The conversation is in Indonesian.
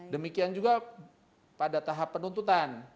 demikian juga pada tahap penuntutan